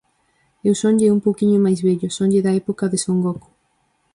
Eu sonlle un pouquiño máis vello, sonlle da época de Son Goku.